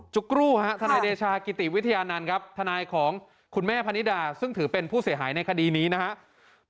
กรูฮะทนายเดชากิติวิทยานันต์ครับทนายของคุณแม่พนิดาซึ่งถือเป็นผู้เสียหายในคดีนี้นะครับ